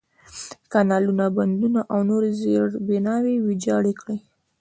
کانالونه، بندونه، او نورې زېربناوې ویجاړې کړي دي.